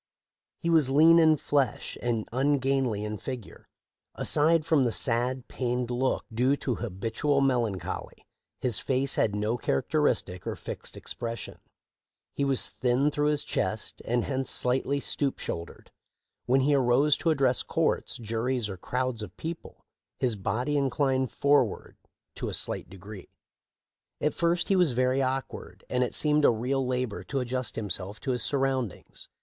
He was lean in flesh and ungainly in figure. Aside from the sad, pained look due to habitual melancholy, his face had no characteristic or fixed expression. He was thin through the chest, and hence slightly stoop shoul dered. When he arose to address courts, juries, or crowds of people, his body inclined forward to a 406 THE LIFE 0F LINCOLN. slight degree. At first he was very awkward, and it seemed a real labor to adjust himself to his sur roundings.